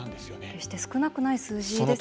決して少なくない数字ですよね。